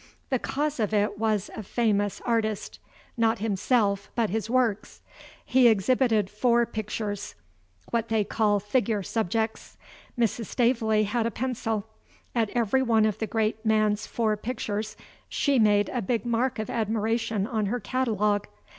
The cause of it was a famous artist; not himself, but his works. He exhibited four pictures what they call figure subjects. Mrs. Staveley had a pencil. At every one of the great man's four pictures, she made a big mark of admiration on her catalogue.